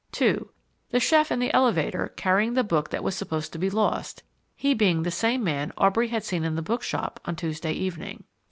(2) The chef in the elevator carrying the book that was supposed to be lost he being the same man Aubrey had seen in the bookshop on Tuesday evening.